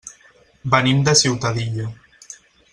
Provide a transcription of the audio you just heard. Venim de Ciutadilla.